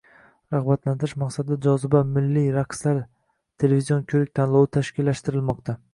rag‘batlantirish maqsadida «Joziba» milliy raqslar televizion ko‘rik-tanlovi tashkillashtirilmoqda.